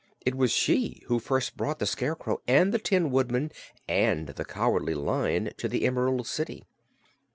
It was she who first brought the Scarecrow and the Tin Woodman and the Cowardly Lion to the Emerald City.